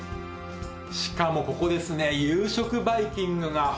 しかもここですね